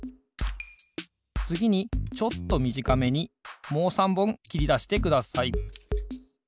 つぎにちょっとみじかめにもう３ぼんきりだしてください。